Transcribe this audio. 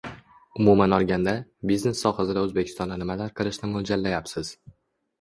Umuman olganda, biznes sohasida Oʻzbekistonda nimalar qilishni moʻljallayapsiz?